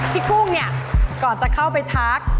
กุ้งเนี่ยก่อนจะเข้าไปทัก